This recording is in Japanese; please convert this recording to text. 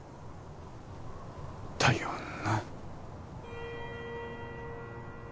だよな？